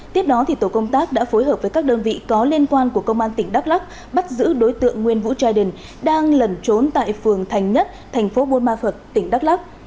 tiếp đó tổ công tác đã phối hợp với các đơn vị có liên quan của công an tỉnh đắk lắc bắt giữ đối tượng nguyên vũ tray đình đang lẩn trốn tại phường thành nhất tp bôn ma phật tỉnh đắk lắc